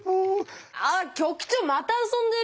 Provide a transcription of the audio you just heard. あっ局長また遊んでる！